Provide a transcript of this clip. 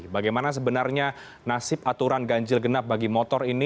bagaimana sebenarnya nasib aturan ganjil genap bagi motor ini